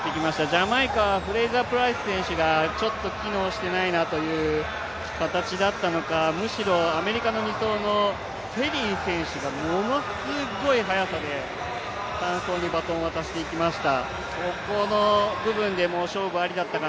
ジャマイカ、フレイザープライス選手がちょっと機能していないなという形だったのかむしろアメリカの２走のケリー選手がものすごい速さで３走にバトンを渡していきました。